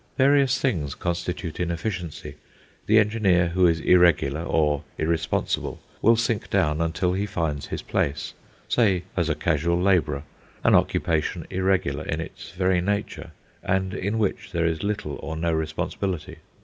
Various things constitute inefficiency. The engineer who is irregular or irresponsible will sink down until he finds his place, say as a casual labourer, an occupation irregular in its very nature and in which there is little or no responsibility.